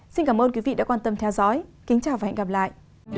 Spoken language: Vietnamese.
xin cảm ơn quý vị đã quan tâm theo dõi kính chào và hẹn gặp lại